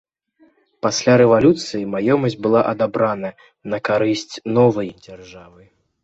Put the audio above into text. Пасля рэвалюцыі маёмасць была адабрана на карысць новай дзяржавы.